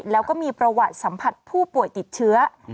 แล้วก็มีประวัติสัมผัสผู้ป่วยติดเชื้อ